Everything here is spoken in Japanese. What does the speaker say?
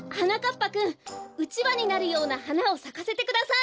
ぱくんうちわになるようなはなをさかせてください。